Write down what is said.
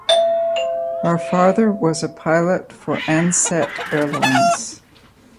Her father was a pilot for Ansett Airlines.